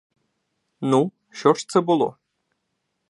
Ну, що ж це було?